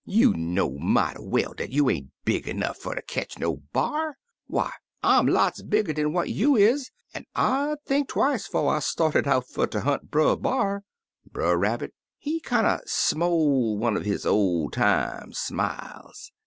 You know mighty well dat you ain't big 'nough fer ter ketch no b'ar. Why, I'm lots bigger dan what you is, an' I'd think twice To' I started out fer ter hunt Brer B'ar.' Brer Rabbit, he kinder smole one er his ol' time smiles.